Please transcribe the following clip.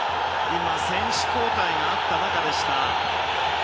今、選手交代があった中でした。